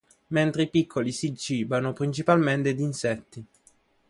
Mentre i piccoli si cibano principalmente di insetti.